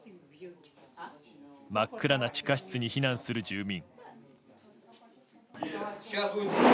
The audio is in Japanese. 真っ暗な地下室に避難する住民。